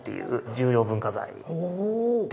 重要文化財！